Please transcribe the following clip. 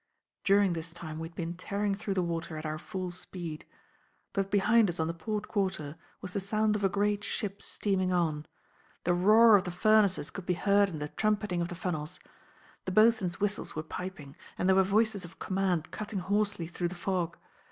During this time we had been tearing through the water at our full speed. But behind us on the port quarter was the sound of a great ship steaming on. The roar of the furnaces could be heard in the trumpeting of the funnels. The boatswain's whistles were piping, and there were voices of command cutting hoarsely through the fog.